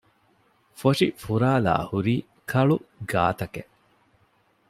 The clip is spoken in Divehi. ފޮށި ފުރާލާ ހުރީ ކަޅު ގާތަކެއް